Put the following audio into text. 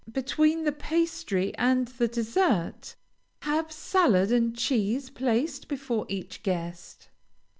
Between the pastry and the dessert, have salad and cheese placed before each guest.